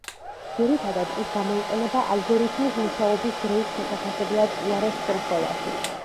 ძირითადად ის გამოიყენება ალგორითმის მუშაობის დროის შესაფასებლად უარეს შემთხვევაში.